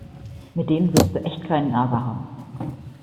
Mit denen willst du echt keinen Ärger haben.